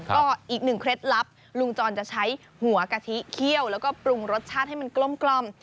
ก็อีกหนึ่งเคล็ดลับลุงจรจะใช้หัวกะทิเคี่ยวแล้วก็ปรุงรสชาติให้มันกลม